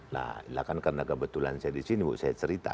nah kan karena kebetulan saya di sini bu saya cerita